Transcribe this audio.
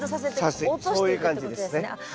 そういう感じですね。